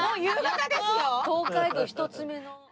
東海道１つ目の。